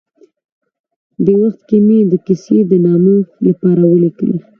دې وخت کې مې د کیسې د نامه لپاره ولیکل.